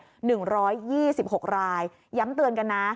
หนึ่งร้อยยี่สิบหกรายย้ำเตือนกันนะ